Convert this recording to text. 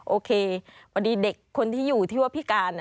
โอเคพอดีเด็กคนที่อยู่ที่ว่าพิการ